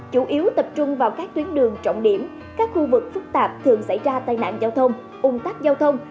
chủ yếu tập trung vào các tuyến đường trọng điểm các khu vực phức tạp thường xảy ra tai nạn giao thông ung tắc giao thông